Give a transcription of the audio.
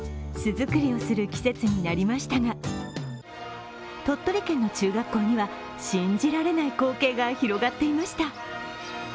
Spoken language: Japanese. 巣作りをする季節となりましたが鳥取県の中学校には信じられない光景が広がっていました。